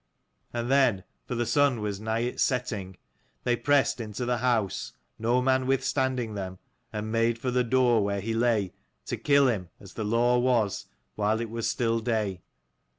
And then, for the sun was nigh its setting, they pressed into the house, no man withstanding them, and made for the door where he lay, to kill him, as the law was, while it was still day.